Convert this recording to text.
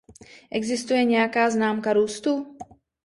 Existuje nějaká známka růstu?